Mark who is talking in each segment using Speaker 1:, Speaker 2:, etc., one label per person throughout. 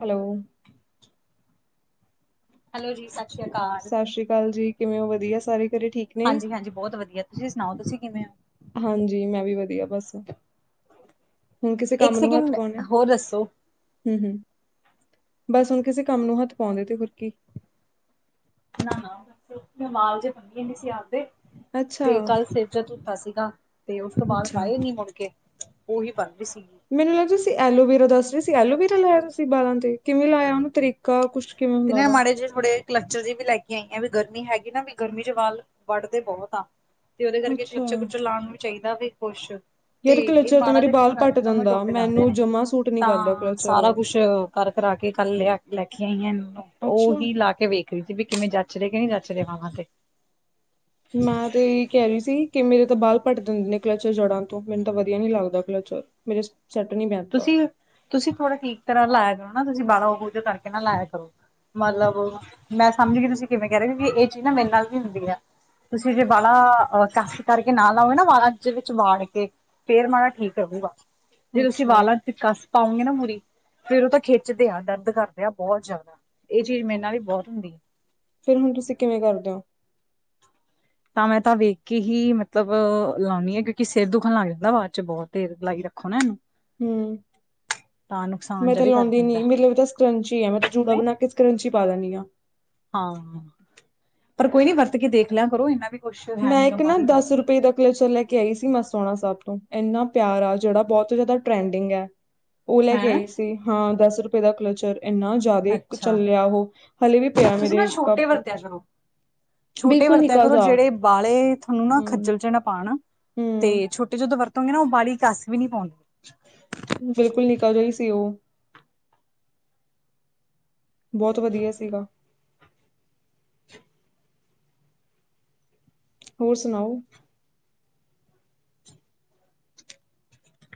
Speaker 1: Hello
Speaker 2: hello ਜੀ, ਸਤਿ ਸ੍ਰੀ ਅਕਾਲ
Speaker 1: ਸਤਿ ਸ਼੍ਰੀ ਅਕਾਲ ਜੀ, ਕਿਵੇਂ ਉਹ ਵਧੀਆ ਸਾਰੇ ਘਰੇ ਠੀਕ ਨੇ?
Speaker 2: ਹਾਂਜੀ-ਹਾਂਜੀ ਬਹੁਤ ਵਧੀਆ ਤੁਸੀਂ ਸੁਣਾਓ ਤੁਸੀਂ ਕਿਵੇਂ ਹੋ
Speaker 1: ਹਾਂਜੀ, ਮੈਂ ਵੀ ਵਧੀਆ ਬਸ ਹੁਣ ਕਿਸੇ
Speaker 2: ਇੱਕ
Speaker 1: ਕੰਮ ਨੂੰ ਹੱਥ
Speaker 2: ਸੈਕਿੰਡ
Speaker 1: ਪਾਉਣੇ
Speaker 2: ਹੋਰ ਦੱਸੋ
Speaker 1: ਹੂੰ-ਹੂੰ, ਬਸ ਹੁਣ ਕਿਸੇ ਕੰਮ ਨੂੰ ਹੱਥ ਪਾਉਂਦੇ ਤੇ ਹੋਰ ਕੀ
Speaker 2: ਨਾ-ਨਾ, ਉਹ ਦੱਸ [unintelligible]
Speaker 1: ਅੱਛਾ,
Speaker 2: ਤੇ ਕੱਲ ਸਿਰ ਜਿਹਾ ਧੋਤਾ ਸੀਗਾ ਤੇ ਉਸ ਤੋਂ ਬਾਅਦ
Speaker 1: ਅੱਛਾ।
Speaker 2: ਵਾਏ ਨੀ ਮੁੜ ਕੇ ਉਹੀ ਬਣ ਰਹੀ ਸੀਗੀ
Speaker 1: ਮੈਨੂੰ ਲੱਗਦਾ ਤੁਸੀਂ ਐਲੋਵੇਰਾ ਦੱਸ ਰਹੇ ਸੀ। ਐਲੋਵੇਰਾ ਲਾਇਆ ਤੁਸੀਂ ਬਾਲਾਂ ਤੇ ਕਿਵੇਂ ਲਾਇਆ ਉਹਨੂੰ ਤਰੀਕਾ ਕੁੱਛ
Speaker 2: ਤੇ ਨਾ ਮਾੜੇ ਜੇ ਥੋੜੇ ਕਲੱਸਚਰ ਜੇ ਵੀ ਲੈ ਕੇ ਆਈਆਂ ਵੀ ਗਰਮੀ ਹੈਗੀ ਨਾ ਵੀ ਗਰਮੀ ਚ ਵਾਲ ਵੱਢਦੇ ਬਹੁਤ ਆ ਤੇ ਉਹਦੇ ਕਰਕੇ
Speaker 1: ਅੱਛਾ,
Speaker 2: ਕਲਚਰ ਕਲੁਚਰ ਲਾਣ ਵੀ ਚਾਹੀਦਾ ਵੀ ਕੁਸ਼ ਤੇ
Speaker 1: ਯਾਰ
Speaker 2: ਇਹ
Speaker 1: ਕਲਚਰ ਤਾਂ
Speaker 2: ਮਾੜਾ
Speaker 1: ਮੇਰੇ
Speaker 2: ਦੇ ਵਿੱਚ
Speaker 1: ਬਾਲ ਪੱਟ
Speaker 2: ਬੈਠ ਦੋਵੇਂ
Speaker 1: ਦਿੰਦਾ,
Speaker 2: ਟੁੱਟ ਜਾਂਦੇ
Speaker 1: ਮੈਨੂੰ
Speaker 2: ਨੇ
Speaker 1: ਜਮਾ ਸੂਟ ਨੀ ਕਰਦਾ
Speaker 2: ਤਾਂ
Speaker 1: ਕਲਚਰ
Speaker 2: ਸਾਰਾ
Speaker 1: ਉਹ।
Speaker 2: ਕੁਛ ਕਰ ਕਰਾ ਕੇ ਕੱਲ ਲਿਆ ਲੈ ਕੇ ਆਈਆਂ ਏਨੂੰ
Speaker 1: ਅੱਛਾ,
Speaker 2: ਉਹੀ ਲਾ ਕੇ ਵੇਖ ਰੀ ਹੀ ਸੀ ਵੀ ਕਿਵੇਂ ਜੱਚ ਰੇ ਕਿ ਨੀ ਜੱਚ ਰੇ ਵਾਂਹਾਂ ਤੇ
Speaker 1: ਮੈਂ ਤੇ ਇਹ ਹੀ ਕਹਿ ਰਹੀ ਸੀ ਕਿ ਮੇਰੇ ਤਾਂ ਬਾਲ ਪੱਟ ਦਿੰਦੇ ਨੇ ਕਲਚਰ ਜੜ੍ਹਾਂ ਤੋਂ ਮੈਨੂੰ ਤਾਂ ਵਧੀਆ ਨੀ ਲੱਗਦਾ ਕਲਚਰ ਮੇਰੇ ਸੈੱਟ ਨੀ ਬੈਠਦਾ।
Speaker 2: ਤੁਸੀਂ ਤੁਸੀਂ ਥੋੜਾ ਠੀਕ ਤਰ੍ਹਾਂ ਲਾਇਆ ਕਰੋ ਨਾ ਤੁਸੀਂ ਬਾਲ ਬੂਜਾ ਕਰਕੇ ਨਾ ਲਾਇਆ ਕਰੋ ਮਲਬ ਮੈਂ ਸਮਝ ਗੀ ਤੁਸੀਂ ਕਿਵੇਂ ਕਹਿ ਰਹੇ ਹੋ ਕਿ ਇਹ ਚੀਜ਼ ਨਾ ਮੇਰੇ ਨਾਲ ਹੀ ਹੁੰਦੀ ਐ ਤੁਸੀਂ ਜੇ ਵਾਲਾਂ ਅਹ ਕਾਸ਼ੀ ਕਰਕੇ ਨਾ ਲਾਓ ਨਾ ਵਾਲਾਂ ਦੇ ਵਿੱਚ ਵਾੜ ਕੇ ਫੇਰ ਮਾੜਾ ਠੀਕ ਰਹੁਗਾ
Speaker 1: ਅੱਛਾ- [unintelligible]
Speaker 2: ਤੇ ਵਾਲਾਂ ਚ ਕੱਸ ਪਾਉਂਗੇ ਨਾ ਮੂਰੀ ਫੇਰ ਉਹ ਤਾਂ ਖਿੱਚਦੇ ਆ ਦਰਦ ਕਰਦੇ ਆ ਬਹੁਤ ਜ਼ਿਆਦਾ ਇਹ ਚੀਜ਼ ਮੇਰੇ ਨਾ ਹੀ ਬਹੁਤ ਹੁੰਦੀ
Speaker 1: ਫਿਰ ਹੁਣ ਤੁਸੀਂ ਕਿਵੇਂ ਕਰਦੇ ਓ
Speaker 2: ਤਾਂ ਮੈਂ ਤਾਂ ਵੇਖ ਕੇ ਹੀ ਮਤਲਬ ਲਾਉਂਨੀ ਆਂ ਕਿਉਂਕਿ ਸਿਰ ਦੁਖਣ ਲੱਗ ਜਾਂਦਾ ਬਾਅਦ ਚ ਬਹੁਤ ਦੇਰ ਲਾਈ ਰੱਖੋ ਨਾ ਇਹਨੂੰ
Speaker 1: ਹਮ- [unintelligible]
Speaker 2: ਤਾਂ ਨੁਕਸਾਨ
Speaker 1: ਮੈਂ
Speaker 2: ਜਿਹਾ
Speaker 1: ਤਾਂ
Speaker 2: ਵੀ ਕਰ
Speaker 1: ਲਾਉਂਦੀ
Speaker 2: ਦਿੰਦਾ
Speaker 1: ਨੀ ਮੇਰੇ ਲ ਤਾਂ [unintelligible] ਸਕਰੰਚੀ ਆ ਮੈਂ ਤਾਂ ਜੂੜਾ ਬਣਾ ਕੇ ਸਕਰੰਚੀ ਪਾ ਦਿੰਨੀ ਆ
Speaker 2: ਹਾਂ ਪਰ ਕੋਈ ਨੀ ਵਰਤ ਕੇ ਦੇਖ ਲਿਆ ਕਰੋ ਇਨਾ ਵੀ ਕੁਛ ਹੈ
Speaker 1: ਮੈਂ
Speaker 2: ਨੀ ਗਾ
Speaker 1: ਇੱਕ ਨਾ
Speaker 2: ਬਾਹਲੀ ਲੋੜ
Speaker 1: ਦਸ
Speaker 2: ਦੀ
Speaker 1: ਰੁਪਏ ਦਾ ਕਲੇਚਰ ਲੈ ਕੇ ਆਈ ਸੀ ਮਸਿਆਣਾ ਸਹਿਬ। ਇੰਨਾ ਪਿਆਰਾ ਜਿਹੜਾ ਬਹੁਤ ਜਿਆਦਾ ਟਰੈਂਡਿੰਗ ਹੈ ਉਹ ਲੈ ਕੇ
Speaker 2: ਹੈਂ
Speaker 1: ਆਈ ਸੀ ਹਾਂ ਦੱਸ! ਰੁਪਏ ਦਾ ਕਲਚਰ ਇੰਨਾ ਜ਼ਿਆਦੇ ਕ
Speaker 2: ਅੱਛਾ
Speaker 1: ਚੱਲਿਆ ਉਹ ਹਲੇੇ ਵੀ ਪਿਆ
Speaker 2: ਤੁਸੀਂ ਨਾ
Speaker 1: ਮੇਰੇ
Speaker 2: ਛੋਟੇ
Speaker 1: ਕੱਪ
Speaker 2: ਵਰਤਿਆ
Speaker 1: ਚ
Speaker 2: ਕਰੋ ਛੋਟੇ ਵਰਤਿਆਂ ਕਰੋ ਜਿਹੜੇ ਬਾ ੇ [unintelligible] ਤੁਹਾਨੂੰ ਨਾ
Speaker 1: ਹੂੰ
Speaker 2: ਖੱਜਲ ਚ ਨਾ ਪਾਉਣ ਤੇ
Speaker 1: ਹੂੰ
Speaker 2: ਛੋਟੇ ਜਦੋਂ ਵਰਤੋਂਗੇ ਨਾ ਉਹ ਬੀ ਕੱਸ ਵੀ ਨੀ ਪਾਉਂ
Speaker 1: ਬਿਲਕੁਲ ਨਿਕਾ ਜਿਹਾ ਸੀ ਉਹ ਬਹੁਤ ਵਧੀਆ ਸੀਗਾ ਹੋਰ ਸੁਣਾਓ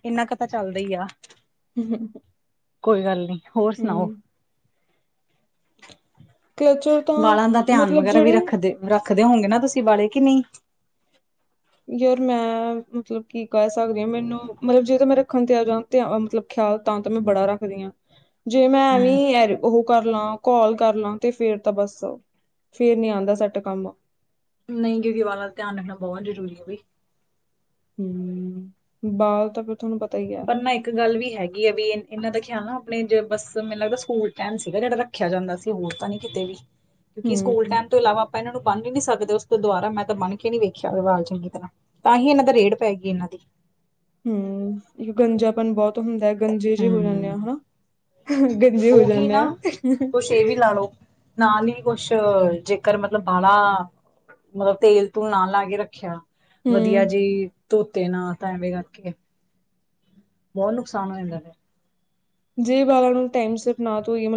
Speaker 2: ਇੰਨਾ ਕਤਾ ਚੱਲਦਾ ਈ ਆ
Speaker 1: ਹਮ ਹ ਹ
Speaker 2: ਕੋਈ ਗੱਲ ਨੀ ਹੋਰ ਸੁਣਾਓ
Speaker 1: ਕਲਚਰ ਤਾਂ
Speaker 2: ਵਾਲਾਂ ਦਾ ਧਿਆਨ
Speaker 1: ਮਤਲਬ
Speaker 2: ਵਗੈਰਾ ਵੀ
Speaker 1: ਜਿਹੜੇ
Speaker 2: ਰੱਖਦੇ ਰੱ ਰਖਦੇ ਹੋਗੇ ਨਾ ਤੁਸੀਂ ਬਾੜੇ ਕਿ ਨਹੀਂ।
Speaker 1: ਯਾਰ ਮੈਂ ਮਤਲਬ ਕੀ ਕਹਿ ਸਕਦੀ ਹਾਂ ਮੈਨੂੰ ਮਲਬ ਜੇ ਤੇ ਮੈਂ ਰੱਖਣ ਤਿਆਰ ਜਾ ਮਤਲਬ! [unintelligible] ਤਾਂ ਤਾਂ [unintelligible]
Speaker 2: ਹੂੰ
Speaker 1: ਕਰ ਲਾਂ ਕਾਲ ਕਰ ਲਾਂ ਤੇ ਫੇਰ ਤਾਂ ਬੱਸ ਫੇਰ ਨੀ ਆਂਦਾ ਸੈੱਟ ਕੰਮ।
Speaker 2: ਨਹੀਂ [unintelligible] ਵਾਲਾਂ ਦਾ ਧਿਆਨ ਰੱਖਣਾ ਬਹੁਤ ਜ਼ਰੂਰੀ ਹੈ ਬਈ!
Speaker 1: ਹਮ ਬਾਲ ਤਾਂ ਤੁਹਾਨੂੰ ਪਤਾ ਹੀ ਹੈ
Speaker 2: ਪਰ ਨਾ ਇੱਕ ਗੱਲ ਵੀ ਹੈਗੀ ਆ ਵੀ ਇਹਨਾਂ ਦਾ ਖਿਆਲ ਨਾ ਆਪਣੇ ਜ ਬਸ ਮੈਨ ਲੱਗਦਾ ਸਕੂਲ ਕਹਿਣ ਸੀਗਾ ਜਿਹੜਾ ਰੱਖਿਆ ਜਾਂਦਾ ਸੀ ਹੋਰ ਤਾਂ ਨੀ ਕਿਤੇ ਵੀ। ਕਿਉਂਕਿ ਸਕੂਲ
Speaker 1: ਹੂੰ
Speaker 2: ਟਾਈਮ ਤੋਂ ਇਲਾਵਾ ਆਪਾਂ ਇਹਨਾਂ ਨੂੰ ਉਸ ਤੋਂ ਦੁਬਾਰਾ ਮੈਂ ਤਾਂ ਬਨ ਕੇ ਨੀ ਵੇਖਿਆ ਵਾਲ ਚੰਗੀ ਤਰ੍ਹਾਂ ਤਾਂ ਹੀ ਇਹਨਾਂ ਦਾ ਰੇੜ ਪੈਗੀਈ ਇਹਨਾਂ ਦੀ।
Speaker 1: ਹਮ ਇੱਕ ਗੰਜਾਪਣ ਬਹੁਤ ਹੁੰਦਾ ਹੈ ਗੰਜੇ ਜਿਹੇ ਹੋ ਜਾਂਦੇ ਆ
Speaker 2: ਹੂੰ
Speaker 1: ਹਨਾ ਗੰਜੇ ਹੋ
Speaker 2: ਉਹੀ
Speaker 1: ਜਾਂਦੇ
Speaker 2: ਨਾ
Speaker 1: ਆ
Speaker 2: ਕੁਛ ਇਹ ਵੀ ਲਾ ਲਓ ਨਾਲ ਹੀ ਕੁਛ ਜੇਕਰ ਮਤਲਬ ਬਾੜਾ ਮਲਬ ਤੇਲ ਵਧੀਆ
Speaker 1: ਹੂੰ
Speaker 2: ਜੀ ਧੋਤੇ ਨਾ ਤਾਂ ਐਵੇਂ ਕਰਕੇ ਬਹੁਤ ਨੁਕਸਾਨ ਹੋ ਜਾਂਦਾ ਨੇ [unintelligible]
Speaker 1: ਜੇ ਬਾਲਾਂ ਨੂੰਟਾਈਮ ਸਿਰ ਨਾ ਧੋਈਏ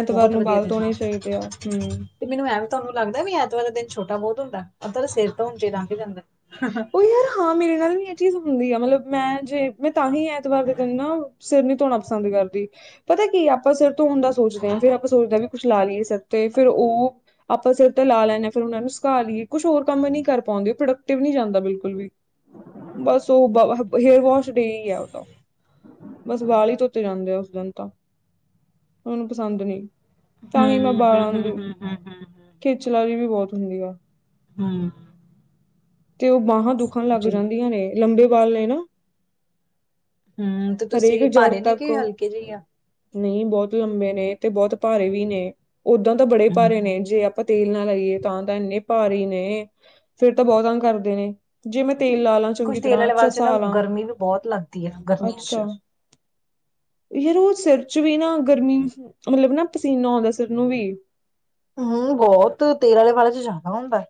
Speaker 1: ਐਤਵਾਰ
Speaker 2: ਬਹੁਤ
Speaker 1: ਨੂੰ
Speaker 2: ਵਧੀਆ
Speaker 1: ਬਾਲ
Speaker 2: ਦਿਨ ਆ
Speaker 1: ਧੋਣੇ ਚਾਹੀਦੇ ਆ ਹਮ
Speaker 2: ਤੇ ਮੈਨੂੰ ਐਂ ਵੀ ਤੁਹਾਨੂੰ ਲੱਗਦਾ ਵੀ ਐਤਵਾਰ ਦਿਨ ਛੋਟਾ ਬਹੁਤ ਹੁੰਦਾ
Speaker 1: ਉਹ ਯਾਰ ਹਾਂ ਮੇਰੇ ਨਾਲ ਵੀ ਚੀਜ਼ ਹੁੰਦੀ ਆ ਮਤਲਬ ਮੈਂ ਜੇ ਮੈਂ ਤਾਂ ਹੀ ਐਤਵਾਰ ਦੇ ਦਿਨ ਨਾ ਸਿਰ ਨੀ ਧੋਣਾ ਪਸੰਦ ਕਰਦੀ ਪਰ ਪਤਾ ਕੀ ਆਪਾਂ ਸਿਰ ਤੋਂ ਹਣ ਦਾ ਸੋਚਦੇ ਹਾਂ ਫਿਰਰਾਂ ਸੋਚਦੇ ਵੀ। ਕੁੱਛ ਲਾ ਲਈਏ ਸਿਰ ਤੇ ਫਿਰ ਉਹ ਆਪਾਂ ਸਿਰ ਤੇ ਲਾ ਲੈਂਦੇ ਹਾਂ ਫਿਰ ਉਹਨਾ ਨੂੰ ਸੁਕਾਾ ਲਈਏ ਕੁੱਛ ਹੋਰ ਕੰਮ ਨੀ ਕਰ ਪਾਉਂ। ਪ੍ਰੋਡਕਟਿਵ ਨਹੀਂ ਜਾਂਦਾ ਬਿਲਕੁਲ ਵੀ। ਬਸ ਉਹ ਹੇਅਰ ਵੋਸ਼ ਡਈ ਗਿਆ ਉਹ ਤਾਂ ਬਸ ਵਾਲ ਹੀ ਧੋਤੇ ਜਾਂਦੇ ਆ ਉਸ ਦਿਨ ਤਾਂ ਉਹਨੂੰ ਪਸੰਦ ਨਹੀਂੀ। ਤਾਂ
Speaker 2: ਹੂੰ
Speaker 1: ਹੀ ਮੈਂ
Speaker 2: ਹੂੰ
Speaker 1: ਬਾਲਾਂ
Speaker 2: ਹੂੰ
Speaker 1: ਦੀ
Speaker 2: ਹੂੰ ਹੂੰ
Speaker 1: ਖਿਚਲਾੀ ਵੀ ਬਹੁਤ ਹੁੰਦੀ ਆ।
Speaker 2: ਹਮ।
Speaker 1: ਤੇ ਉਹ ਬਾਹਾਂ ਦੁੱਖਣ ਲੱਗ ਜਾਂਦੀਆਂ ਨੇ ਲੰਬੇ ਬਾਲ ਨੇ ਨਾ।
Speaker 2: ਹਮ ਤੇ
Speaker 1: ਹਰੇਕ
Speaker 2: ਤੁਸੀਂ
Speaker 1: ਜੜ
Speaker 2: ਭਾਰੇ ਨੇ
Speaker 1: ਤੱਕ
Speaker 2: ਕਿ ਹਲਕੇ ਜਿਹੇ ਆ।
Speaker 1: ਨਹੀਂ ਬਹੁਤ ਲੰਬੇ ਨੇ ਤੇ ਬਹੁਤ ਭਾਰੇ ਵੀ ਨੇ ਓਦਾਂ ਤਾਂ ਬੜੇ ਭਾਰੇ
Speaker 2: ਹੂੰ
Speaker 1: ਨੇ ਜੇ ਆਪਾ ਤੇਲ ਨਾ ਲਾਈਏ ਤਾਂ ਤਾਂ ਇੰਨੇ ਭਾਰੀ ਨੇ ਫਿਰ ਤਾਂ ਬਹੁਤੰ ਕਰਦੇ ਨੇ। ਜੇ ਮੈਂ ਤੇਲ ਲਾ ਲਾ ਚੰਗੀ
Speaker 2: ਕੁਛ ਤੇਲ ਵਾਲੇ ਵਾਲ ਚ
Speaker 1: ਤਰ੍ਹਾਂਛਸ
Speaker 2: ਨਾ
Speaker 1: ਲਾ
Speaker 2: ਗਰਮੀ ਵੀ ਬਹੁਤ ਲੱਗਦੀ ਹੈ ਗਰਮੀਆਂ ਚ।
Speaker 1: ਅੱਛਾ। ਅ। ਯਾਰ ਉਹ ਸਿਰ ਚ ਵੀ ਨਾ ਗਰਮੀ ਮਤਲਬ ਨਾ ਪਸੀਨਾ ਆਉਂਦਾ ਸਿਰ ਨੂੰ ਵੀ।
Speaker 2: ਹਮ ਬਹੁਤ ਤੇਲ ਵਾਲੇ ਵਾਲੇ ਚ ਜ਼ਿਆਦਾ ਹੁੰਦਾ।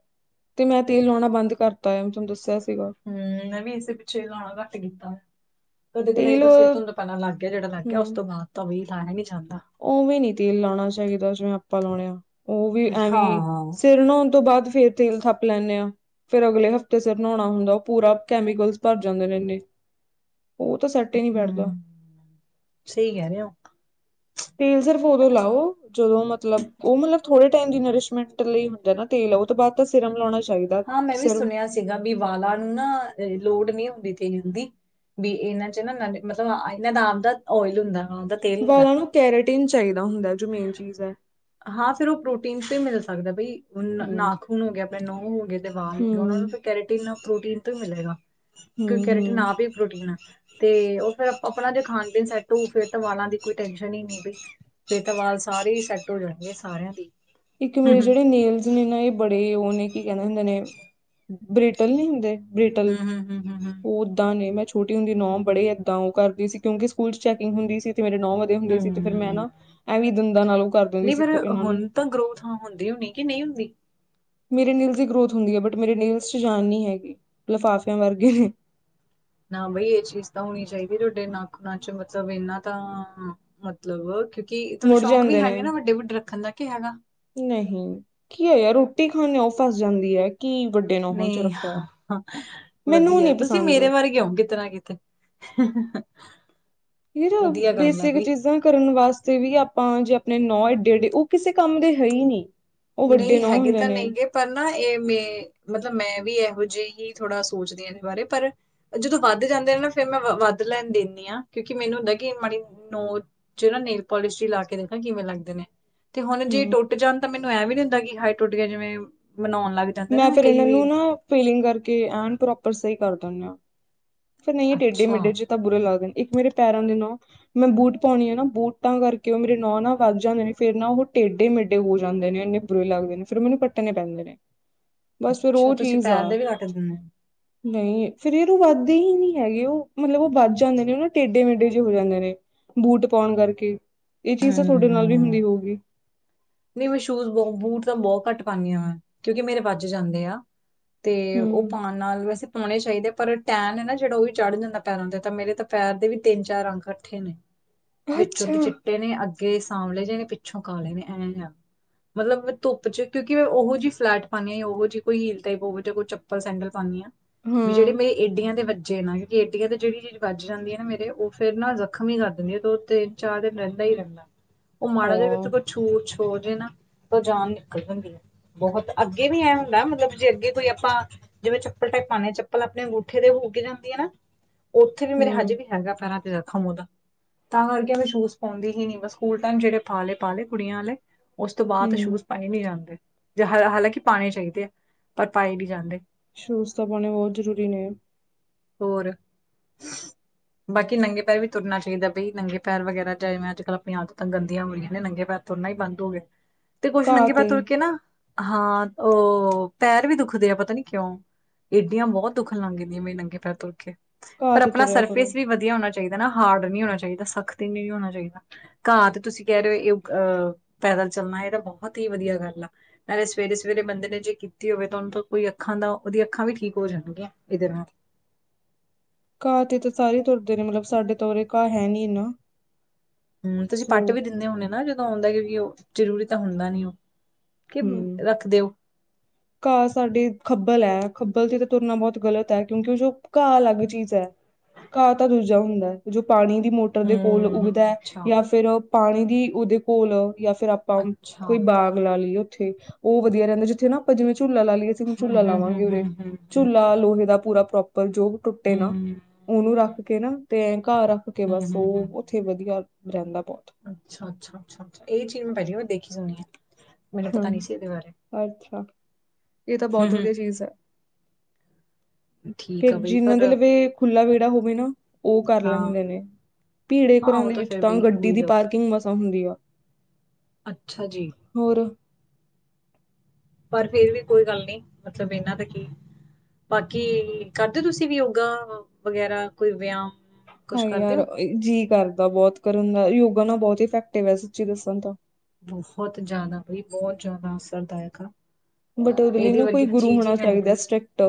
Speaker 1: ਤੇ ਮੈਂ ਤੇਲ ਲਾਉਣਾ ਬੰਦ ਕਰਤਾ ਆਆ ਤੁਹਾਨੂੰ ਦੱਸਿਆ। ਸੀਗਾ
Speaker 2: ਹੂ, ਮੈਂ ਵੀ ਇਸੇ ਪਿੱਛੇ ਜਾਣਾ ਘੱਟ ਕੀਤਾ। ਕਦੇ ਕਦੇ
Speaker 1: ਤੇਲ
Speaker 2: ਬਸ ਇਸ ਤੋ ਲਗ ਗਿਆ ਜਿਹੜਾ ਲੱਗ ਗਿਆ ਉਸ
Speaker 1: ਹਮ
Speaker 2: ਤੋਂ ਬਾਅਦ ਤਾਂ ਵੀ ਜਾਣਾ ਛੱਡ ਤਾਂ।
Speaker 1: ਉਵੇਂ ਨੀ ਤੇਲ ਲਾਉਣਾ ਚਾਹੀਦਾ, ਜਿਵੇਂ ਆਪਾ ਲਾਇਆ। ਉਹ ਵੀ ਐਵੇਂ
Speaker 2: ਹਾਂ।
Speaker 1: ਸਿਰਨ ਹੋਣ ਤੋਂ ਬਾਅਦ ਫੇਰ ਤੇਲ ਥੱਪ ਲੈਂਦੇ ਆ। ਫਿਰ ਅਗਲੇ ਹਫ਼ਤੇ ਸਿਰ ਨਹਾਉਣਾ ਹੁੰਦਾ, ਉਹ ਪੂਰਾ ਕੈਮੀਕਲਸ ਭਰ ਜਾਂਦੇ ਨੇ ਇੰਨੇਂ ਉਹ ਤਾਂ ਸੱਟ ਹੀ ਨੀ ਬੈਠਦਾ।
Speaker 2: ਹੂੰ ਸਹੀ ਕਹਿ ਰਹੇ ਹੋ।
Speaker 1: ਤੇਲ ਸਿਰਫ ਉਦੋਂ ਲਾਓ, ਜਦੋਂ ਮਤਲਬ ਉਹ ਮਤਲਬ ਥੋੜੇ ਤੇਲ ਨਰਿਸ਼ਮੈਂਟ ਲਈ ਹੁੰਦਾ ਨਾ। ਤੇਲ ਉਹ ਤੋਂ ਬਾਅਦ ਤਾਂ ਸਿਰਮ ਲਾਉਣਾ। ਚਾਹੀਦਾ
Speaker 2: ਹਾਂ। ਮੈਂ ਵੀ
Speaker 1: ਸਿਰਮ
Speaker 2: ਸੁਣਿਆ ਸੀਗਾ ਵੀ ਵਾਲਾ ਨੂੰ ਨਾ ਲੋੜ ਨੀ ਹੁੰਦੀ ਤੇਲ ਦੀ ਵੀ ਇਹਨਾਂ ਚ ਨਾ ਮਤੱਲਬ ਇਹਨਾਂ ਦਾ ਆਮ ਦਾ ਓਇਲ ਹੁੰਦਾ। ਉਹਦਾ ਤੇਲ ਹੁੰਦਾ
Speaker 1: ਵਾਲਾਂ ਨੂੰ ਕੈਰੇਟਿਨ ਚਾਹੀਦਾ ਹੁੰਦਾ ਜੋ ਮੇਨ ਚੀਜ਼ ਹੈ
Speaker 2: ਹਾਂ। ਫਿਰ ਉਹ ਪ੍ਰੋਟੀਨ ਮਿਲ ਸਕਦਾ ਬਈ
Speaker 1: ਹੂੰ
Speaker 2: ਨਾਖੂਨ ਹੋ ਗਏ ਆਪਣੇ ਨਹ ਹੋ ਗਏ ਤੇ ਵਾਲ ਹੋ ਗਏ ਉਹਨਾਂ ਨੂੰ
Speaker 1: ਹੂੰ
Speaker 2: ਫਿਰ ਕੈਰੇਟਨ ਪ੍ਰੋਟੀਨ ਤੋਂ ਹੀ ਮਿਲੇਗਾ। ਕਿਉਂਕਿ
Speaker 1: ਹੂੰ
Speaker 2: ਕ੍ਰਿਟੀਨ
Speaker 1: ਹੂੰ
Speaker 2: ਆਪ ਹੀ ਪ੍ਰੋਟੀਨ ਐ। ਤੇ ਉਹ ਫੇਰ ਆਪਣਾ ਜੇ ਖਾਣ ਪੀਣ ਸੈੱਟ ਹੋਊ, ਫਿਰ ਤਾਂ ਵਾਲਾਂ ਦੀ ਕੋਈ ਟੈਨਸ਼ਨ ਹੀ ਨ ਫਿ ਸਾਰੇ ਹੀ ਸੈੱਟ ਹੋ ਜਾਣਗੇ, ਸਾਰਿਆਂ ਦੇਈ
Speaker 1: ਇੱਕ ਮੇਰੇ ਜਿਹੜੇ ਨੇਲਜ਼ ਨੇ ਨਾ ਇਹ ਬੜੇ ਉਹ ਨੇ ਕੀ ਕਹਿੰਦੇ ਹੁੰਦੇ ਨੇ ਬ੍ਰਿਟਲ ਨਹੀਂ ਹੁੰਦੇ ਬ੍ਰਿਟਲ
Speaker 2: ਹਮ ਹਮ ਹਮ ਹਮ
Speaker 1: ਉਹ ਦਾਂ ਦੇਨਾਂ ਛੋਟੀ ਹੁੰਦੀ ਨ ਉਹ ਬੜੇ ਏਦਾਂ ਉਹ ਕਰਦੀ ਸੀ ਕਿਉਂਕਿ ਸਕੂਲ ਚੈਕਿੰਗ ਹੁੰਦੀ ਸੀ। ਮੇਰੇ ਨੌ ਵੱਧੇ
Speaker 2: ਹਮ
Speaker 1: ਹੁੰਦੇ ਸੀ। ਤੇ ਫਿਰ ਮੈਂ
Speaker 2: ਹਮ।
Speaker 1: ਨਾ ਐਵੇ ਵੀ ਦੰਦਾਂ ਨਾਲ ਉਹ ਕਰ ਦੀ ਹੁਦੀ
Speaker 2: ਨਹੀਂ
Speaker 1: ਸੀ
Speaker 2: ਪਰ
Speaker 1: ਇਹਨਾਂ ਨੂੰ
Speaker 2: ਹੁਣ ਹੁੰਦੇ ਵੀਕਿ ਨਹੀਂ ਹੁੰਦੇ
Speaker 1: ਮੇਰੇ ਨਿਲਸ ਦੀ ਗਰੋਥ ਹੁੰਦੀ ਹੈ। ਬਟ ਮੇਰੇ ਨਿਲਸ ਚ ਜਾਨ ਨੀ ਹੈਗੀ। ਲਿਫਾਫਿਆਂ ਵਰਗੇ ਨੇ
Speaker 2: ਨਾ। ਬਈ ਇਹ ਚੀਜ਼ ਤਾਂ ਹੋਣੀ ਚਾਹੀਦੀ ਤੁਹਾਡੇ ਨੱਖੂਨਾ ਵਿਚ ਮਤਲਬ ਇਹਨਾ ਤਾਂ ਮਤਲਬ ਕਿ
Speaker 1: ਮੁੜ ਜਾਂਦੇ ਨੇ,
Speaker 2: ਕਿ ਹੈਗਾ
Speaker 1: ਨਹੀਂ ਕੀ ਹੈ ਯਾਰ ਕੀ, ਖੂ-ਨਸ ਫਸ ਜਾਂਦੀ ਐ।
Speaker 2: ਨਹੀਂ,
Speaker 1: ਮੈਨੂੰ
Speaker 2: ਵਧੀਆ
Speaker 1: ਨਹੀਂ
Speaker 2: ਤੁਸੀਂ
Speaker 1: ਪਸੰਦ
Speaker 2: ਮੇਰੇ ਬਾਰੇ ਕਿਓ ਹੋਉ ਕਿਤੇ ਨਾ ਕਿਤੇ [inaudible]
Speaker 1: ਯਾਰ,
Speaker 2: ਵਧੀਆ ਗੱਲ ਹੈ
Speaker 1: ਬੇਸਿਕ
Speaker 2: ਬਈ
Speaker 1: ਚੀਜ਼ਾਂ ਕਰਨ ਵਾਸਤੇ ਵੀ ਆਪਾਂ ਜੇ ਆਪਣੇ ਨੌ ਏਡੇੇ ਉਹ ਕਿਸੇ ਕੰਮ ਦੇ ਹੈ ਹੀ ਨਹੀਂ। ਉਹ ਵੱਡੇ
Speaker 2: ਨਹੀਂ
Speaker 1: ਨੌ
Speaker 2: ਹੈਗੇ
Speaker 1: ਹੁੰਦੇ
Speaker 2: ਤਾਂ
Speaker 1: ਨੇ
Speaker 2: ਨਹੀਂ ਗੇ, ਪਰ ਨਾ ਇਹ ਮੇ ਮਤਲਬ ਮੈਂ ਵੀ ਇਹੋ ਜਿਹ ਜਿ ਹੀਏ ਥੋੜਾ ਸੋਚਦੀ ਆ ਇਹਦੇ ਬਾਰੇ ਪਰ ਜਦੋਂ ਵੱਧ ਜਾਂਦੇ ਨੇ ਨਾ ਫੇਰ ਮੈਂ ਵੱਧ ਲੈਣ ਦਿੰਦੀ ਹਾਂ। ਕਿਉਂਕਿ ਕਿ ਮੈਨੂੰ ਹੱਦਾ ਕਿ ਮਾੜੀ ਨੋ ਨਾ ਨੇਲ ਪੋਲਿਸ਼ ਲਾ ਕੇ ਦੇਖਣਾ ਕਿਵੇਂ ਲੱਗਦੇ ਨੇ ਤੇ ਹੁਣ ਜੇ
Speaker 1: ਹੂੰ
Speaker 2: ਟੁੱਟ ਜਾਣ ਤਾਂ ਮੈਨੂੰ ਇਹਂ ਵੀ ਨੀ ਹੁੰਦਾ ਕਿ ਹਾਏ ਟੁੱਟ ਗਿਆ ਜਿਵੇਂ ਮਨਾਉਣ ਲੱਗ ਜਾਂਦੇ ਨਾ
Speaker 1: ਮੈਂ ਫਿਰ
Speaker 2: ਕਈ
Speaker 1: ਇਹਨਾਂ
Speaker 2: ਵੀ
Speaker 1: ਨੂੰ ਨਾ ਫੀਲਿੰਗ ਕਰਕੇ ਐਨ ਪ੍ਰੋਪਰ ਸਹੀ ਕਰ ਦੇਨੀ ਆ। ਫੇਰ ਨਹੀਂ ਟੇਡੇ
Speaker 2: ਅੱਛਾ
Speaker 1: ਮੇਡੇ ਜੇ ਤਾਂ ਬੁਰੇ ਲੱਗਦੇ ਨੇ, ਇੱਕ ਮੇਰੇ ਪੈਰਾਂ ਦੇ ਨੋ ਮੈਂ ਬੂਟ ਪਾਉਣੀ ਆ ਨਾ ਬੂਟਾਂ ਕਰਕੇ ਉਹ ਮੇਰੇ ਨੋਹ ਨਾ ਵੱਧ ਜਾਂਦੇ ਨੇ ਫੇਰ ਨਾ ਉਹ ਟੇਢੇ ਮੇਢੇ ਹੋ ਜਾਂਦੇ ਨੇ ਇੰਨੇ ਬੁਰੇ ਲੱਗਦੇ ਨੇ, ਫਿਰ ਮੈਨੂੰ ਪੱਟਣੇ ਪੈਂਦੇ ਨੇ ਬਸ ਫਿਰ
Speaker 2: ਅੱਛਾ
Speaker 1: ਉਹ
Speaker 2: ਤੁਸੀਂ
Speaker 1: ਚੀਜ਼
Speaker 2: ਪੈਰ
Speaker 1: ਆ
Speaker 2: ਦੇ ਵੀ ਕੱਟ ਦਿੰਦੇ ਹੋ।
Speaker 1: ਨਹੀਂ ਫਿਰ ਇਹਨੂੰ ਵੱਧ ਦੇ ਹੀ ਨਹੀਂ ਹੈਗੇ ਉਹ ਮਤਲਬ ਉਹ ਵੱਧ ਜਾਂਦੇ ਨੇ ਉਹ ਨਾ ਟੇਡੇ ਮੇਡੇ ਜ ਹੋ ਜਾਂਦੇ ਨੇ ਬੂਟ ਪਾਉਣ ਕਰਕੇ ਇਹ ਚੀਜ਼ ਤਾਂ ਤੁਹਾਡੇ ਨਾਲ ਵੀ
Speaker 2: ਹਮ
Speaker 1: ਹੁੰਦੀ ਹੋਊਗੀ।
Speaker 2: ਨਹੀਂ ਮੈਂ ਸ਼ੂਜ ਬਹੁ ਬੂਟ ਤਾਂ ਬਹੁਤ ਘੱਟ ਪਾਉਂਦੀ ਹਾਂ ਵਾਂ ਕਿਉਂਕਿ ਮੇਰੇ ਵੱਜ ਜਾਂਦੇ ਆ। ਤੇ ਉਹ
Speaker 1: ਹੂੰ
Speaker 2: ਪਾਉਣ ਨਾਲ ਵੈਸੇ ਪਾਉਣੇ ਚਾਹੀਦੇ ਪਰ ਟੈਨ ਹੈ ਨਾ ਜਿਹੜਾ ਉਹ ਵੀ ਚੜ ਜਾਂਦਾ ਪੈਰਾਂ ਦੇ ਤਾਂ ਮੇਰੇ ਤਾਂ ਪੈਰ ਦੇ ਵੀ ਤਿੰਨ ਚਾਰ ਰੰਗ ਇਕੱਠੇ ਨੇ ਵਿੱਚੋਂ
Speaker 1: ਅੱਛਾ
Speaker 2: ਉੱਦੇ ਚਿੱਟੇ ਨੇ ਅੱਗੇ ਸਾਂਵਲੇ ਜਿਹੇ ਨੇ ਪਿੱਛੋਂ ਕਾਲੇ ਨੇ ਐਂਵੇਂ ਦੇ ਆ। ਮਤਲਬ ਧੁੱਪ ਚ ਕਿਉਂਕਿ ਉਹ ਜਿਹੀ ਫਲੈਟ ਪਾਉਣੀ ਹ ਉਹੋ ਜਿਹੀ ਕੋਈ ਹੀਲ ਟਾਈਪ ਹੋਵੇ ਜਾਂ ਕੋਈ ਚੱਪਲ ਸੈਂਡਲ ਪਾਉਦੀ ਆ। ਵੀ
Speaker 1: ਹਾਂ
Speaker 2: ਜਿਹੜੇ ਮੇਰੇ ਏਡੀਆਂ ਦੇ ਹਡ ਕਿਉਂਕਿ ਅੱਡੀਆਂ ਤੇ ਜਿਹੜੀ ਚੀਜ਼ ਵੱਜ ਜਾਂਦੀ ਐ ਨਾ ਮੇਰੇ ਉਹ ਫਿਰ ਨਾ ਜ਼ਖ਼ਮੀ ਹੀ ਕਰ ਦਿੰਦੀ ਹੈ ਦੋ ਤਿੰਨ ਚਾਰ ਦਿਨ ਰਹਿੰਦੇ ਰਹਿੰਦਾ ਉਹ ਮਾੜਾ ਜਿ ਵਿੱਚ
Speaker 1: ਹਾਂ
Speaker 2: ਕੋਈ ਛੂ ਛੋ ਹੋਜੇ ਨਾਂ ਤੋਂ ਜਾਨ ਨਿਕਲ ਜਾਂਦੀ ਹੈ ਬਹੁਤ ਅੱਗੇ ਵੀ ਇਹ ਹੁੰਦਾ ਮਤਲਬ ਜੇ ਅੱਗੇ ਕੋਈ ਆਪਾਂ ਜਿਵੇਂ ਚੱਪਲ ਪਾਦਿ ਆ ਚੱਪਲ ਆਪਣੇ ਅੰਗੂਠੇ ਦੇ ਵੀ ਲਗ ਜਾਂਦੀ ਐ ਨਾ ਉੱਥੇ ਵੀ ਮੇਰੇ ਹੱਜ
Speaker 1: ਹੂੰ
Speaker 2: ਵੀ ਹੈਗਾ ਨਿਸ਼ਾਨ ਫੇਰ ਖਮ ਉਹਦਾ ਤਾਂ ਕਰਕੇ ਮੈਂ ਚੂਸ ਪਾਉਂਦੀ ਹੀ ਨ ਬ ਸਕੂਲ ਟਾਈਮ ਜਿਹੜੇ ਪਾ ਲੇ ਪਾ ਲਏ ਕੁੜੀਆਂ ਵਾਲੇ ਉਸ ਤੋਂ ਬਾਅਦ
Speaker 1: ਹੂੰ
Speaker 2: ਸ਼ੂਜ ਪਾਏ ਨਹੀਂੀ ਜਾਂਦੇ ਹਾਲਾਂਕਿ ਪਾਉਣੇ ਚਾਹੀਦੇ ਆ ਪਰ ਪਾਏ ਨਹੀਂੀ ਜਾਂਦੇ
Speaker 1: ਸੁਸਥਾ ਪਾਉਣੇ ਬਹੁਤ ਜ਼ਰੂਰੀ ਨੇ
Speaker 2: ਔਰ ਬਾਕੀ ਨੰਗੇ ਪੈਰ ਵੀ ਤੁਰਨਾ ਚਾਹੀਦਾ ਬਈ ਨੰਗੇ ਪੈਰ ਵਗੈਰਾ ਜਿਵੇਂ ਅੱ ਕੱਲ੍ਹ ਆਪਣੇ ਆਪਦ ਤਾਂ ਗੰਦੀਆਂ ਹੋ ਰਹੀਆਂ ਨੇ ਨੰਗੇ ਪੈਰ ੋੜਨਾ ਹੀ ਬੰਦ ਹੋ ਗਿਆ ਤੇ ਕੁੱਛ
Speaker 1: ਘਾਹ
Speaker 2: ਨੰਗੇ ਪ
Speaker 1: ਤੇ
Speaker 2: ਤੁਰ ਕੇ ਨਾ ਹਾਂ ਉਹ ਪੈਰ ਵੀ ਦੁਖਦੇ ਆ ਪਤਾ ਨੀ ਕਿਉਂ ਇਏਡੀਆਂ ਬਹੁਤ ਦੁਖਣ ਲੰਘਗਦੀਆਂ ਮੇ ਨੰਗੇ ਪੈਰ ਤੁਰ ਕੇ
Speaker 1: ਘਾਹ
Speaker 2: ਪਰ
Speaker 1: ਤੇ
Speaker 2: ਆਪਣਾ
Speaker 1: ਤੁਰਿਆ ਕਰੋ
Speaker 2: ਸਰਫੇਸ ਵੀ ਵਧੀਆ ਹੋਣਾ ਚਹੀਦਾ ਚਾਹੀਦਾ ਨਾ ਹਾਰਡ ਨਹੀਂ ਹੋਣਾ ਚਾਹੀਦਾ ਸਖ਼ਤ ਨਹੀਂੀ ਹੋਣਾ ਚਾਹੀਦਾ ਘਾਹ ਤੇ ਤੁਸੀਂ ਕਹਿ ਰਹੇ ਹੋ ਅਹ ਪੈਦਲ ਚੱਲਣਾ ਇਹ ਤਾਂ ਬਹੁਤ ਹੀ ਵਧੀਆ ਗੱਲ ਆ ਨਾਲੇ ਸਵੇਰੇ ਸਵੇਰੇ ਬੰਦੇ ਨੇ ਜੇ ਕੀਤੀ ਹੋਵੇ ਤਾਂ ਉਹੂੰ ਕੋਈ ਅੱਖਾਂ ਦਾ ਉਹਦੀਆਂ ਅੱਖਾਂ ਵੀ ਠੀਕ ਹੋ ਜਾਣਗੀਆਂ ਇਹਦੇ ਨਾਲ
Speaker 1: ਘਾਹ ਤੇ ਤਾਂ ਸਾਰੇ ਤੁਰਦੇ ਨੇ ਮਤਲਬ ਸਾਡੇ ਤ ਉਰੇ ਘਾਹ ਹੈ ਨੀ ਨਾ
Speaker 2: ਹਮ ਤੇ ਅਸੀਂ ਪੱਟ ਵੀ ਦਿੰਦੇ ਹੁੰਦੇ ਨਾ ਜਦੋਂ ਆਉਂਦਾ ਕਿਉਂਕਿ ਉਹ ਜ਼ਰੂਰੀ ਤਾਂ ਹੁੰਦਾ ਨੀ ਉਹ ਕੀ
Speaker 1: ਹੂੰ
Speaker 2: ਰੱਖਦੇ ਹੋ
Speaker 1: ਘਾਹ ਸਾਡੇ ਖੱਬਲ ਹੈ ਖੱਬਲ ਚ ਤਾਂ ਤੁਰਨਾ ਬਹੁਤ ਗ਼ਲਤ ਹੈ ਕਿਉਂਕਿ ਉਹ ਘਾਹ ਅਲੱਗ ਚੀਜ਼ ਹੈ ਘਾਹ ਤਾਂ ਦੂਜਾ ਹੁੰਦਾ ਹੈ ਜੋ ਪਾਣੀ ਦੀ ਮੋਟਰ ਦੇ ਕੋਲ
Speaker 2: ਹੂੰ,
Speaker 1: ਉੱਗਦਾ
Speaker 2: ਹੂੰ,
Speaker 1: ਹੈ
Speaker 2: ਅੱਛਾ,
Speaker 1: ਜਾਂ ਫਿਰ ਪਾਣੀ ਦੀ ਉਹਦੇ ਕੋਲ ਜਾਂ ਫੇਿਰ ਆਪਾਂ
Speaker 2: ਅੱਛਾ।
Speaker 1: ਕੋਈ
Speaker 2: ਹੂੰ,
Speaker 1: ਬਾਗ਼ ਲਾ ਲਈਏ ਉੱਥੇ ਉਹ ਵਧੀਆ ਰਹਿੰਦਾ ਜਿੱਥੇ ਨਾ ਆਪਾਂ ਜਿਵੇਂ ਝੂਲਾ ਲਾ ਲਈਏਸੀਂ ਹੁਣ ਝੂੱਲਾ
Speaker 2: ਹੂੰ, ਹੂੰ,
Speaker 1: ਲਾਵਾਂਗੇ
Speaker 2: ਹੂੰ,
Speaker 1: ਉਰੇ
Speaker 2: ਹੂੰ, ਹੂੰ, ਹੂੰ।
Speaker 1: ਝੂਲਾ ਲੋਹੇ ਦਾ ਪੂਰਾ ਉਪਰ ਜੋ ਟੁੱਟੇ ਨਾ
Speaker 2: ਹੂੰ,
Speaker 1: ਉਹਨੂੰ ਰੱਖ ਕੇ ਨਾ ਤੇ ਘਰ ਰੱਖ ਕੇ ਬਸ
Speaker 2: ਹੂੰ, ਹੂੰ,
Speaker 1: ਉਹ ਉੱਥੇ ਵਧੀਆ ਰਹਿੰਦਾ ਬਹੁਤ
Speaker 2: ਖੀ ਜ ਨੇ
Speaker 1: ਹਮ ਅੱਛਾ ਇਹ ਤਾਂ
Speaker 2: ਹੂੰ,
Speaker 1: ਬਹੁਤ ਵਧੀਆ
Speaker 2: ਹੂੰ,
Speaker 1: ਚੀਜ਼ ਹੈ
Speaker 2: ਠੀਕ ਆ
Speaker 1: ਫੇਿਰ
Speaker 2: ਬਈ
Speaker 1: ਜਿਹਨਾਂ
Speaker 2: ਪਰ
Speaker 1: ਦੇ ਲ ਖੁਾ ਵਿਹੜਾ ਹੋਵੇ ਨਾ ਉਹ ਕਰ
Speaker 2: ਹਾਂ,
Speaker 1: ਲੈਂਦੇ ਨੇ ਭੀੜੇ
Speaker 2: ਹਾਂ
Speaker 1: ਘਰਾਂ
Speaker 2: ਉਹ
Speaker 1: ਦੇ ਵਿੱਚ
Speaker 2: ਫਿਰ
Speaker 1: ਤਾਂ
Speaker 2: ਬਈ ਹੋ
Speaker 1: ਗੱਡੀ
Speaker 2: ਈ
Speaker 1: ਦੀ
Speaker 2: ਜਾਊ।
Speaker 1: ਪਾਰਕਿੰਗ ਮਸਾਂ ਹੁੰਦੀ ਆ
Speaker 2: ਅੱਛਾ ਜੀ
Speaker 1: ਹੋਰ
Speaker 2: ਪਰ ਫੇਿਰ ਵੀ ਕੋਈ ਗੱਲ ਨਹੀਂੀ ਮਤਲਬ ਇਹਨਾਂ ਦਾ ਕੀ ਬਾਕੀ ਕਰਦੇ ਤੁਸੀਂ ਵੀ ਉਹਗਾ ਵਗੈਰਾ ਕੋਈ ਵਿਆਹ
Speaker 1: ਹਾਂ ਯਾਰ ਜੀ ਕਰਦਾ ਬਹੁਤ ਕਰਨ ਦਾ ਯੋਗਾ ਨਾ ਬਹੁਤ ਇਫੈਕਟਿਵ ਹੈ ਸੱਚੀ ਦੱਸਣ ਤਾਂ
Speaker 2: ਬਹੁਤ ਜਿਆਦਾ ਬਾਈ ਬਹੁਤ ਜ਼ਿਆਦਾ ਅਸਰਦਾਇਕ ਆ
Speaker 1: ਬਟ ਉਹਦੇ ਲਈ
Speaker 2: ਇਹਦੇ
Speaker 1: ਨਾ ਕੋਈ
Speaker 2: ਵਰਗੀ ਤਾਂ
Speaker 1: ਗੁਰੂ
Speaker 2: ਚੀਜ਼
Speaker 1: ਹੋਣਾ
Speaker 2: ਹੀ ਹੈ ਨਹੀਂ
Speaker 1: ਚਾਹੀਦਾ
Speaker 2: ਕੋਈ
Speaker 1: ਸਟ੍ਰਿਕਟ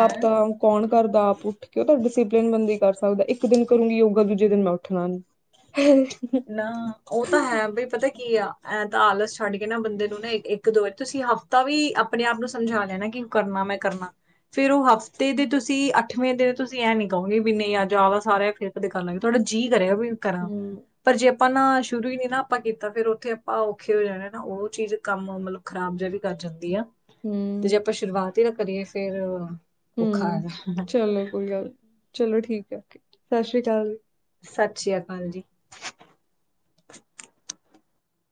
Speaker 1: ਆਪ
Speaker 2: ਹੈ
Speaker 1: ਤਾਂ ਕੌਣ ਕਰਦਾ ਆਪ ਉੱਠ ਕੇ ਤੁਹਾਡੇ ਸ ਬੰਦੇ ਕਰ ਸਕਦਾ ਇੱਕ ਦਿਨ ਕਰੂੰਗੀ ਯੋਗਾ ਦੂਜੇ ਦਿਨ ਮੈਂ ਉੱਠਣਾ
Speaker 2: ਨਾ ਉਹ ਤਾਂ ਹੈ ਬਈ ਪਤਾ ਕੀ ਆ ਐਂ ਤਾਂ ਆਲਸ ਛੱਡ ਨਾ ਬੰਦੇ ਨੂੰ ਨਾ ਇੱਕ ਦੋ ਵਾਰੀ ਤੁਸੀਂ ਹਫ਼ਤਾ ਵੀ ਆਪਣੇ ਆਪ ਨੂੰ ਸਮਝਾ ਲਿਆ ਨਾ ਕਿ ਕਰਨਾ ਮੈਂ ਕਰਨਾ ਫਿਰ ਉਹ ਹਫ਼ਤੇ ਦੇ ਤੁਸੀਂ ਅੱਠਵੇਂ ਦੇ ਤੁਸੀਂ ਐਂ ਨੀ ਕਹੋਗੇ ਵੀ ਨਹੀਂ ਅੱਜ ਆਦਾ ਸਾਰਾ ਫਿਰ ਦਿਕਣ ਲੱਗੇ ਤੁਹਾਡਾ ਜੀਅ ਕਰਿਆ ਵੀ ਕਰਾਂ
Speaker 1: ਹੂੰ
Speaker 2: ਪਰ ਜੇ ਆਪਾਂ ਨਾ ਸ਼ੁਰੂ ਹੀ ਨੀ ਨਾ ਆਪਾਂ ਕੀਤਾ ਫਿਰ ਉੱਥੇ ਆਪਾਂ ਔਖੇ ਹੋ ਜਾਣੇ ਨਾ ਉਹ ਚੀਜ਼ ਕੰਮ ਮਤਲਬ ਖਰਾਬ ਵੀ ਕਰ ਜਾਂਦੀ ਆ ਤੇ ਜੇ
Speaker 1: ਹੂੰ
Speaker 2: ਆਪਾਂ ਸ਼ੁਰੂਆਤੀ ਹੀ ਤਾਂ ਕਰੀਏ ਫਿਰ
Speaker 1: ਹੂ
Speaker 2: ਔਖਾ ਹੈ
Speaker 1: ਚਲੋ ਕੋਈ ਗੱਲ ਨੀ ਚਲੋ ਠੀਕ ਹੈ ਸਤਿ ਸ੍ਰੀ ਅਕਾਲ ਜੀ
Speaker 2: ਸਤਿ ਸ੍ਰੀ ਅਕਾਲ ਜੀ